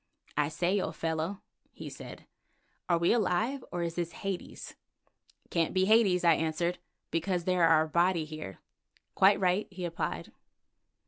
"I say, old fellow," he said, "are we alive, or is this Hades?" "Can't be Hades," I answered, "because there are Abati here." "Quite right," he replied.